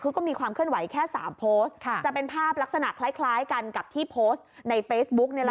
คือก็มีความเคลื่อนไหวแค่สามโพสต์ค่ะจะเป็นภาพลักษณะคล้ายคล้ายกันกับที่โพสต์ในเฟซบุ๊คนี่แหละค่ะ